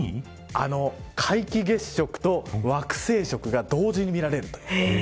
皆既月食と惑星食が同時に見られるという。